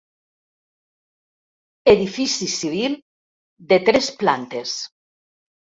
Edifici civil de tres plantes.